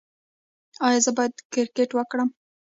ایا زه باید کرکټ وکړم؟